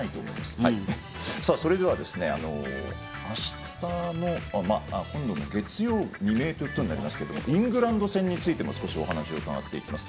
それでは今度の月曜日の未明ということになりますけどイングランド戦についても少しお話を伺っていきます。